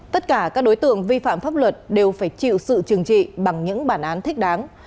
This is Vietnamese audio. tất cả các đối tượng vi phạm pháp luật đều phải chịu sự trừng trị bằng những bản án thích đáng